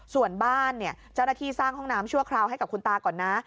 ส่วนบ้านเนี่ยเจ้าหน้าที่สร้างห้องน้ำชั่วคราวให้กับคุณตาก่อนนะ